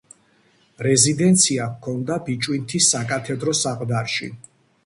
რეზიდენცია ჰქონდა ბიჭვინთის საკათედრო საყდარში.